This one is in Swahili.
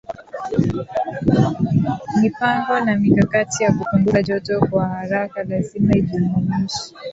mipango na mikakati ya kupunguza joto kwa haraka lazima ijumuishe